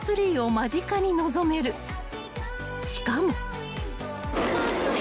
［しかも］